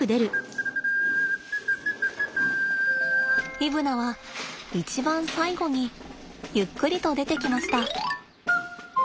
イブナは一番最後にゆっくりと出てきました。